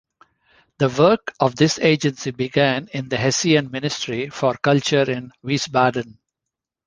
The work of this agency began in the Hessian ministry for culture in Wiesbaden.